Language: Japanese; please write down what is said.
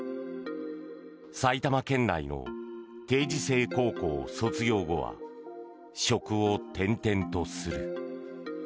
埼玉県内の定時制高校を卒業後は職を転々とする。